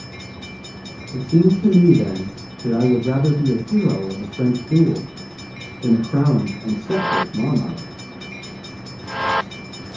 It seems to me then that I would rather be a hero of a French duel than a crowned and sceptered monarch.